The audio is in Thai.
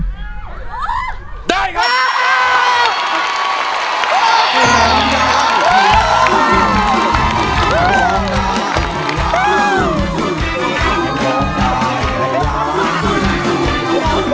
ร้องได้ให้ร้อง